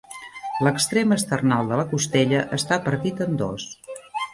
L'extrem esternal de la costella està partit en dos.